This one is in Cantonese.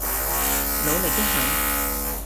努力一下